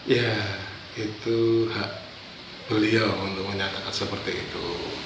ya itu hak beliau untuk menyatakan seperti itu